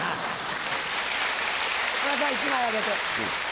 山田さん１枚あげて。